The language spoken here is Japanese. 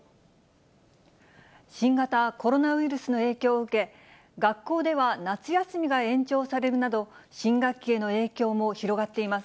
新型コロナウイルスの影響を受け、学校では夏休みが延長されるなど、新学期への影響も広がっています。